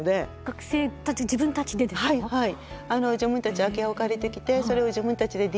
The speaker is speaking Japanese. はい。